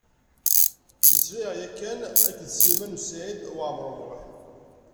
Mmeslayeɣ ya kan akked Sliman U Saɛid Waɛmaṛ U Muḥ.